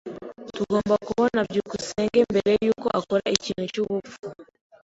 Tugomba kubona byukusenge mbere yuko akora ikintu cyubupfu.